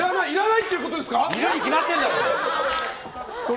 いるに決まってんだろ！